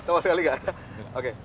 sama sekali enggak oke